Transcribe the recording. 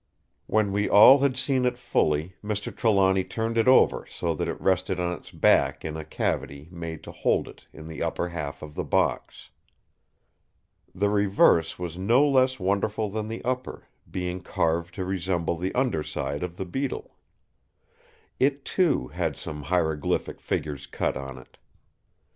When we all had seen it fully, Mr. Trelawny turned it over so that it rested on its back in a cavity made to hold it in the upper half of the box. The reverse was no less wonderful than the upper, being carved to resemble the under side of the beetle. It, too, had some hieroglyphic figures cut on it.